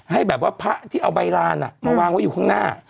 ให้แบบว่าพระที่เอาใบลานมาวางไว้อยู่ข้างหน้า